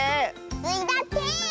スイだって！